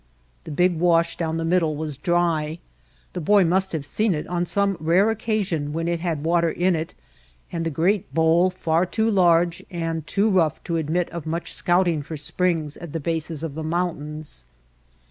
The big wash down the middle was dry — the boy must have seen it on some rare occasion when it had water in it — and the great bowl far too large and too rough to admit of much scouting for springs at the bases of the mountains.